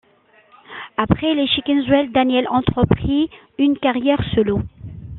Après les Chick'n Swell, Daniel entreprit une carrière solo.